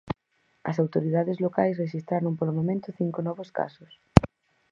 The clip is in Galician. As autoridades locais rexistraron polo momento cinco novos casos.